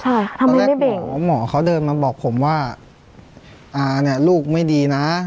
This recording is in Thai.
ใช่ทำไมไม่เบ่งตอนแรกหมอเขาเดินมาบอกผมว่าอ่าเนี่ยลูกไม่ดีนะ